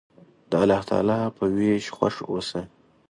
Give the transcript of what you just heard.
د الله تعالی په ویش خوښ اوسه.